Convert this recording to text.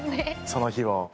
その日を。